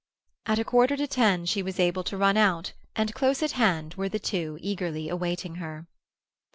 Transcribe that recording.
At a quarter to ten she was able to run out, and close at hand were the two eagerly awaiting her.